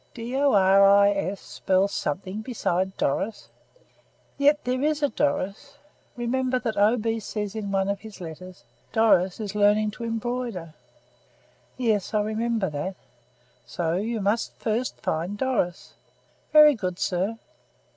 "D o r i s spells something besides Doris." "Yet there is a Doris. Remember that O. B. says in one of his letters, 'Doris is learning to embroider.'" "Yes, I remember that." "So you must first find Doris." "Very good, sir."